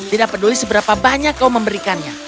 tidak peduli seberapa banyak kau memberikannya